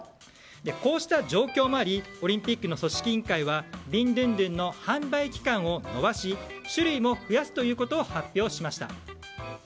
こうした状況もありオリンピックの組織委員会はビンドゥンドゥンの販売期間を延ばし種類も増やすということを発表しました。